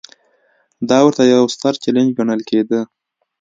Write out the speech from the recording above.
دا ورته یو ستر چلنج ګڼل کېده.